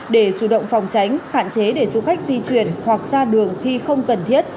để chủ động phòng tránh hạn chế để du khách di chuyển hoặc ra đường khi không cần thiết